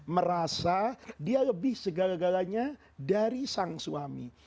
merasa dia lebih segala galanya dari sang suami